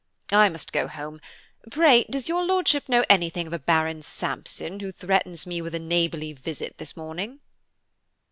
I must go home. Pray does your Lordship know anything of a Baron Sampson who threatens me with a neighborly visit this morning?"